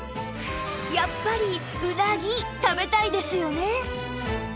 やっぱりうなぎ食べたいですよね！